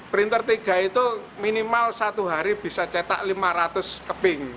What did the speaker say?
printer tiga itu minimal satu hari bisa cetak lima ratus keping